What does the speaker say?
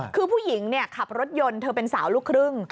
คือผู้หญิงขับรถยนต์เธอเป็นสาวลูกครึ่ง